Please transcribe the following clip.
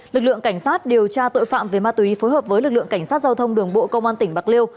lực lượng cảnh sát điều tra tội phạm về ma túy phối hợp với lực lượng cảnh sát giao thông đường bộ công an tỉnh bạc liêu